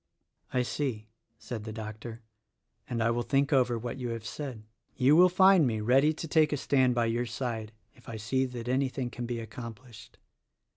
"I see," said the doctor, "and I will think over what you have said. You will find me ready to take a stand by your side if I see that anything can be accomplished.